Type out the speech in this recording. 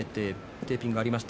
テーピングはありました。